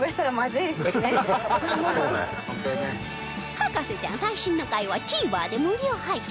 『博士ちゃん』最新の回は ＴＶｅｒ で無料配信